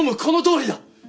このとおりだ。